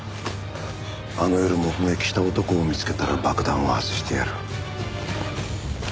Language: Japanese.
あの夜目撃した男を見つけたら爆弾を外してやる。